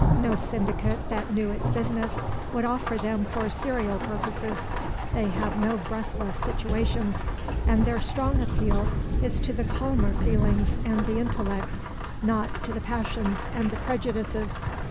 No syndicate that knew its business would offer them for serial purposes; they have no breathless "situations," and their strong appeal is to the calmer feelings and the intellect, not to the passions and the prejudices.